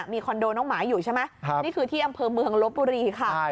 มีคอนโดน้องหมาอยู่ใช่ไหมนี่คือที่อำเภอเมืองลบบุรีค่ะ